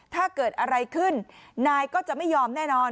ถ้าเกิดอะไรขึ้นนายก็จะไม่ยอมแน่นอน